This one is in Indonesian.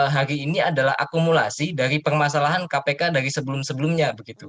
hari ini adalah akumulasi dari permasalahan kpk dari sebelum sebelumnya